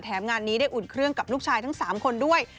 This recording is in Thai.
งานนี้ได้อุ่นเครื่องกับลูกชายทั้ง๓คนด้วย